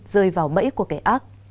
rơi vào bẫy của kẻ ác